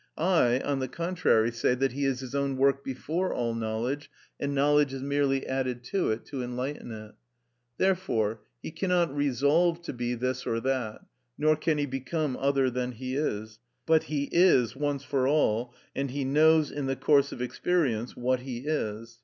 I, on the contrary, say that he is his own work before all knowledge, and knowledge is merely added to it to enlighten it. Therefore he cannot resolve to be this or that, nor can he become other than he is; but he is once for all, and he knows in the course of experience what he is.